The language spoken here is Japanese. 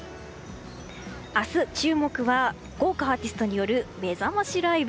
明日、注目は豪華アーティストによるめざましライブ。